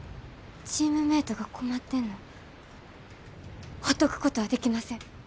チームメイトが困ってんのほっとくことはできません。